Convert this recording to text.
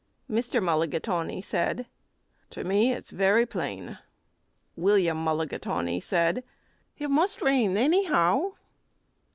Mr. Mulligatawny said, "To me it's very plain." William Mulligatawny said, "It must rain, anyhow."